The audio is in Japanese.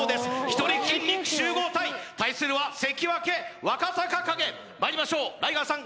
一人筋肉集合体対するは関脇若隆景まいりましょうライガーさん